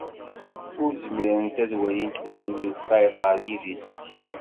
Ur zmirent ad walint wallen-iw tayeḍ ɣer yidis-ik.